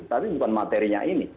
tapi bukan materinya ini